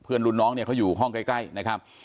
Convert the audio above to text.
รุ่นน้องเนี่ยเขาอยู่ห้องใกล้นะครับ